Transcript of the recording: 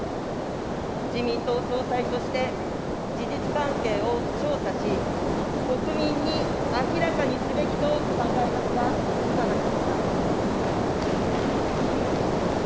自民党総裁として、事実関係を調査し、国民に明らかにすべきと考えますが、いかがでしょうか。